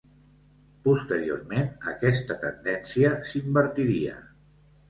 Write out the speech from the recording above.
Posteriorment, aquesta tendència s'invertiria.